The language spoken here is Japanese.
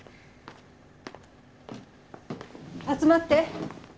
集まって。